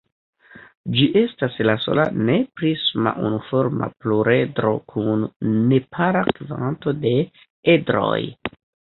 Ĝi estas la sola ne-prisma unuforma pluredro kun nepara kvanto de edroj.